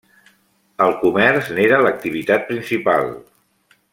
El comerç n'era l'activitat principal.